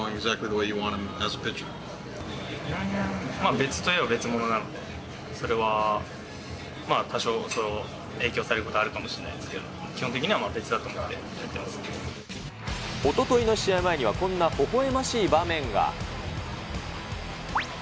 別といえば別物なので、それは多少影響されることはあるかもしれないですけど、基本的におとといの試合前にはこんなほほえましい場面が。